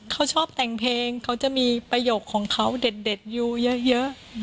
เขาชอบแต่งเพลงเขาจะมีประโยคของเขาเด็ดอยู่เยอะ